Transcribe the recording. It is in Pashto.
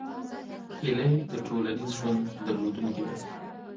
هیلۍ د ټولنیز ژوند درلودونکې ده